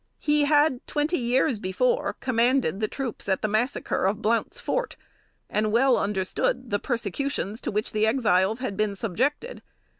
He had twenty years before commanded, the troops at the massacre of "Blount's Fort," and well understood the persecutions to which the Exiles had been subjected.